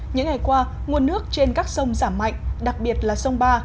những ngày qua nguồn nước trên các sông giảm mạnh đặc biệt là sông ba